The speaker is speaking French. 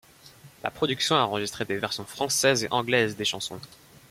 La production a enregistré des versions françaises et anglaises des chansons.